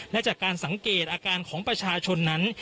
และจากการสังเกตอาการของประชาชนนั้น